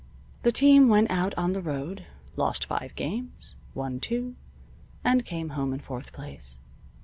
The team went out on the road, lost five games, won two, and came home in fourth place.